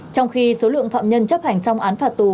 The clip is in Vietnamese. trong khi số lượng phạm nhân chấp hành xong án phạt tù